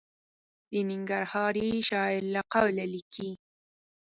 د ننګرهاري شاعر له قوله لیکي.